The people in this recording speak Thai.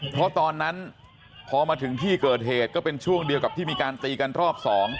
เพราะตอนนั้นพอมาถึงที่เกิดเหตุก็เป็นช่วงเดียวกับที่มีการตีกันรอบ๒